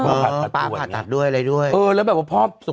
พ่อผ่าตัดด้วยอะไรด้วย